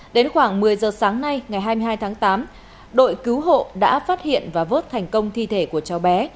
đến khoảng một mươi giờ sáng nay ngày hai mươi hai tháng tám đội cứu hộ đã phát hiện và vớt thành công thi thể của cháu bé